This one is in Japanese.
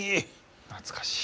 懐かしい。